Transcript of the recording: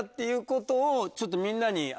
いうことをちょっとみんなに。